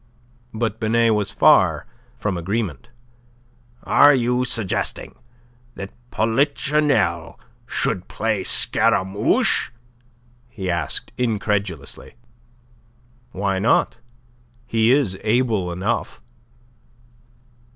But Binet was far from agreement. "Are you suggesting that Polichinelle should play Scaramouche?" he asked, incredulously. "Why not? He is able enough!"